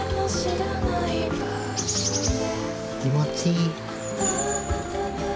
気持ちいい。